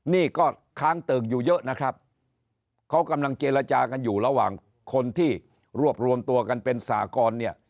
นี่ก็ค้างเติ่งอยู่เยอะนะครับเขากำลังเจรจากันอยู่ระหว่างคนที่รวบรวมตัวกันเป็นสากรเนี่ย